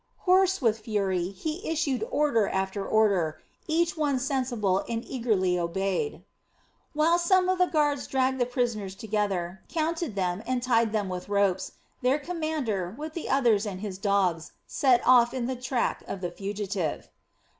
Hoarse with fury, he issued order after order, each one sensible and eagerly obeyed. While some of the guards dragged the prisoners together, counted them, and tied them with ropes, their commander, with the others and his dogs, set off on the track of the fugitive.